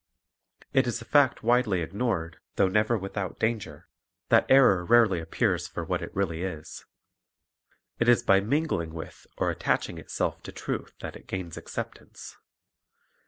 It is a fact widely ignored, though never without (330) Methods of Teaching 231 danger, that error rarely appears for what it really is. It is by mingling with or attaching itself to truth that it gains acceptance.